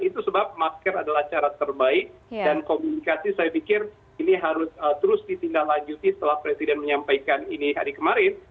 itu sebab masker adalah cara terbaik dan komunikasi saya pikir ini harus terus ditindaklanjuti setelah presiden menyampaikan ini hari kemarin